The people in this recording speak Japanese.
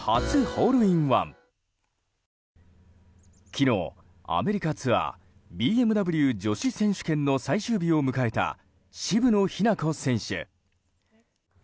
昨日、アメリカツアーＢＭＷ女子選手権の最終日を迎えた渋野日向子選手。